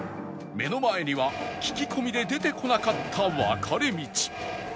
目の前には聞き込みで出てこなかった分かれ道